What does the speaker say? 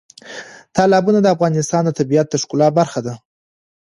تالابونه د افغانستان د طبیعت د ښکلا برخه ده.